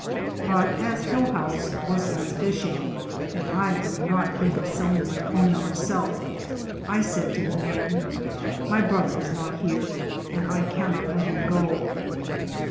But as Hillhouse was gone fishing and I could not think of selling my pony myself, I said to the man : "My brother is not here, and I cannot let him go."